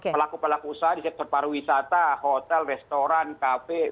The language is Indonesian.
pelaku pelaku usaha di sektor pariwisata hotel restoran kafe